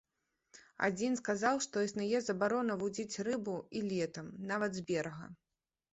Адзін сказаў, што існуе забарона вудзіць рыбу і летам, нават з берага.